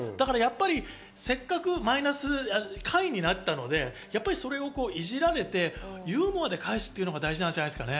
せっかく下位になったので、いじられてユーモアで返すっていうのが大事なんじゃないですかね。